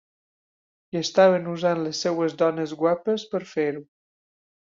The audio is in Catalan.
I estaven usant les seves dones guapes per fer-ho.